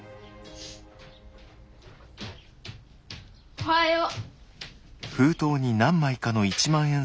おはよう。